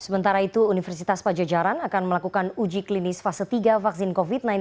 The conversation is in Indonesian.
sementara itu universitas pajajaran akan melakukan uji klinis fase tiga vaksin covid sembilan belas